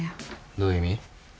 どういう意味？